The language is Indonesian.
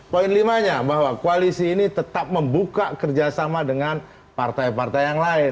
poin lima nya bahwa koalisi ini tetap membuka kerjasama dengan partai partai yang lain